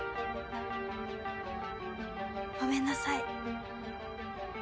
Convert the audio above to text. ごめんなさい。